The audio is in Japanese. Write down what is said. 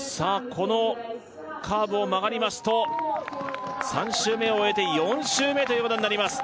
このカーブを曲がりますと３周目を終えて４周目ということになります